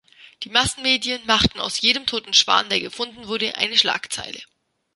Die Massenmedien machten aus jedem toten Schwan, der gefunden wurde, eine Schlagzeile.